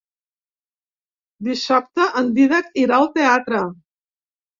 Dissabte en Dídac irà al teatre.